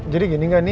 jadi gini nga